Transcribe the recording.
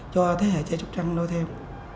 cho thế hệ chạy trục trăng nối theo